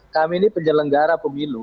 kami ini penyelenggara pemilu